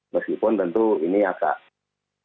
meskipun tentu ini agak